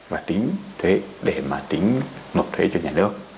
và tính thuế để mà tính nộp thuế cho nhà nước